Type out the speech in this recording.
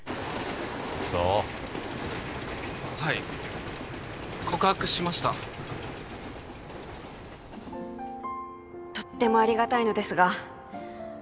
そうはい告白しましたとってもありがたいのですが